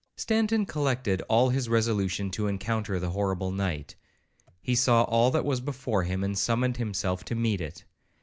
Stanton collected all his resolution to encounter the horrible night; he saw all that was before him, and summoned himself to meet it.